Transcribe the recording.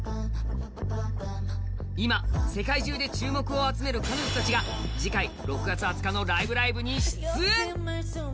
今、世界中で注目を集める彼女たちが次回、６月２０日の「ライブ！ライブ！」に出演！